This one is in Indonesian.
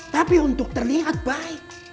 tapi untuk terlihat baik